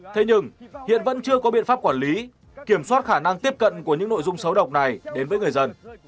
thế nhưng hiện vẫn chưa có biện pháp quản lý kiểm soát khả năng tiếp cận của những nội dung xấu độc này đến với người dân